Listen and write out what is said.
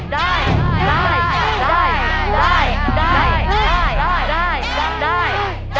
ได้ได้